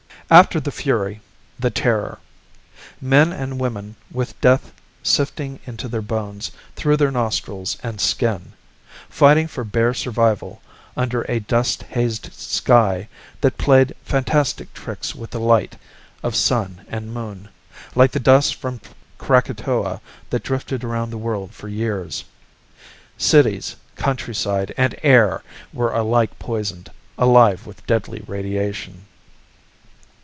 After the Fury, the Terror. Men and women with death sifting into their bones through their nostrils and skin, fighting for bare survival under a dust hazed sky that played fantastic tricks with the light of Sun and Moon, like the dust from Krakatoa that drifted around the world for years. Cities, countryside, and air were alike poisoned, alive with deadly radiation.